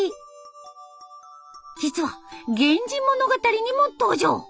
実は「源氏物語」にも登場。